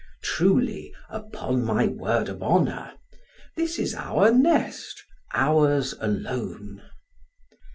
"Truly upon my word of honor. This is our nest ours alone!"